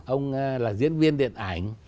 ông là diễn viên điện ảnh